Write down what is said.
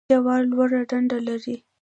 جوار لوړ ډنډر لري